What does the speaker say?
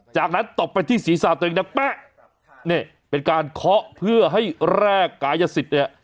จากนั้นตบไปที่ศีรษะตัวเองดังแป๊ะนี่เป็นการเคาะเพื่อให้แร่กายสิทธิ์เนี่ย